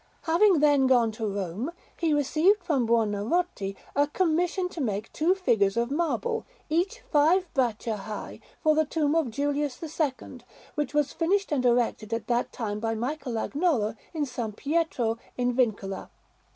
Having then gone to Rome, he received from Buonarroti a commission to make two figures of marble, each five braccia high, for the tomb of Julius II, which was finished and erected at that time by Michelagnolo in S. Pietro in Vincula.